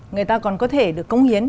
người ta còn có thể được công hiến